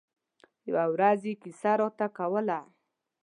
يوه ورځ يې کیسه راته کوله.